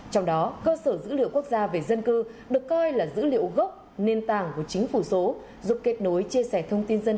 trong đó cơ sở dữ liệu quốc gia về dân cư được coi là dữ liệu gốc nền tảng của chính phủ số giúp kết nối chia sẻ thông tin dân